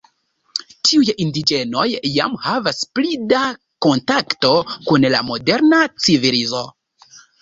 Tiuj indiĝenoj jam havas pli da kontakto kun la moderna civilizo.